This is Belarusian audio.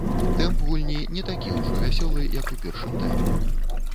Тэмп гульні не такі ўжо вясёлы, як у першым тайме.